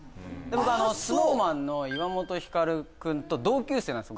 僕ＳｎｏｗＭａｎの岩本照君と同級生なんすよ